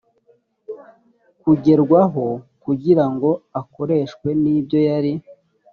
kugerwaho kugira ngo akoreshwe ibyo yari